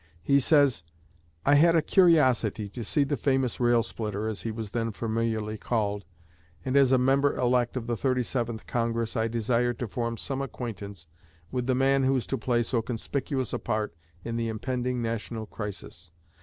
He says: "I had a curiosity to see the famous 'rail splitter,' as he was then familiarly called, and as a member elect of the Thirty seventh Congress I desired to form some acquaintance with the man who was to play so conspicuous a part in the impending national crisis.